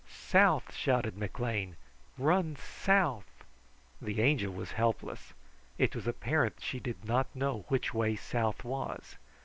"South!" shouted McLean. "Run south!" The Angel was helpless. It was apparent that she did not know which way south was.